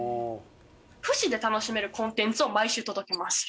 父子で楽しめるコンテンツを毎週届けます。